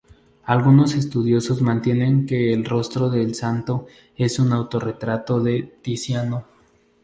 Algunos estudiosos mantienen que el rostro del santo es un autorretrato de Tiziano.